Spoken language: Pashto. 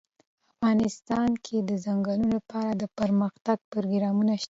افغانستان کې د ځنګلونه لپاره دپرمختیا پروګرامونه شته.